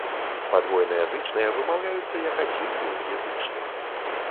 Падвойныя зычныя вымаўляюцца як адзін доўгі зычны.